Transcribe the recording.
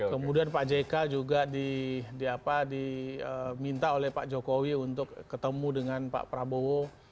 kemudian pak jk juga diminta oleh pak jokowi untuk ketemu dengan pak prabowo